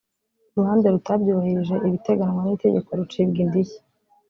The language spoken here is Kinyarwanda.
uruhande rutabyuhirije ibiteganwa n’itegeko rucibwa indishyi